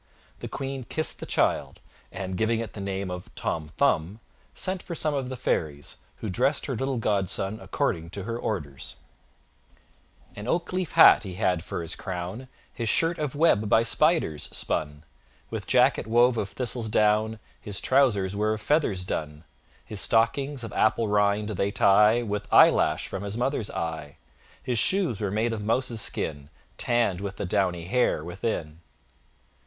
The Queen kissed the child, and, giving it the name of Tom Thumb, sent for some of the fairies, who dressed her little godson according to her orders: An oak leaf hat he had for his crown; His shirt of web by spiders spun; With jacket wove of thistle's down; His trousers were of feathers done. His stockings, of apple rind, they tie With eyelash from his mother's eye: His shoes were made of mouse's skin, Tann'd with the downy hair within.